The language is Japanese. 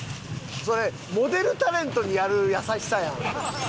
それモデルタレントにやる優しさやん。